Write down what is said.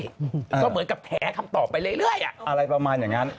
ก็เหมือนแถคำตอบไปเรื่อยอะอะไรประมาณอย่างนั้น